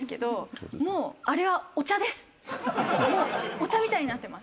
お茶みたいになってます。